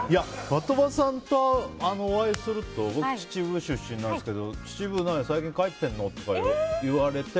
的場さんとお会いすると僕、秩父出身なんですけど秩父、最近帰ってるの？とか聞かれて。